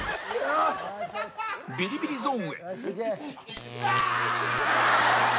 ビリビリゾーンへ